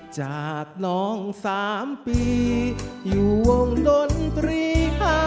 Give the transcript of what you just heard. จากน้องสามปีอยู่วงดนตรีกลับจากน้องสามปีอยู่วงดนตรีกลับ